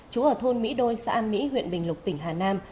chú ở thôn mỹ đôi xã an mỹ huyện bình lục tỉnh hà nam